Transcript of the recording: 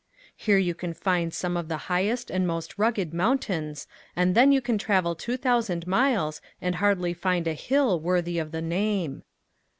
Here you can find some of the highest and most rugged mountains and then you can travel two thousand miles and hardly find a hill worthy of the name.